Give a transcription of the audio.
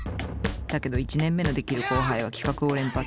だけど１年目のデキる後輩は企画を連発。